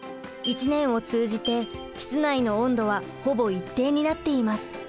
一年を通じて室内の温度はほぼ一定になっています。